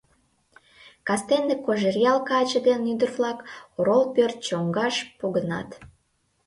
Кастене Кожеръял каче ден ӱдыр-влак орол пӧрт чоҥгаш погынат.